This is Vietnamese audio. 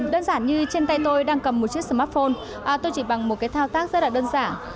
đơn giản như trên tay tôi đang cầm một chiếc smartphone tôi chỉ bằng một cái thao tác rất là đơn giản